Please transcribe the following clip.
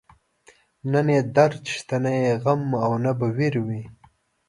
نه يې درد شته، نه يې غم او نه به وير وي